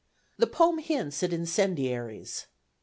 The poem hints at incendiaries.